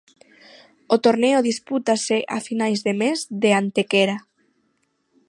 O torneo dispútase a finais de mes de Antequera.